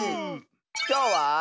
きょうは。